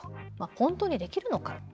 本当にできるのかと。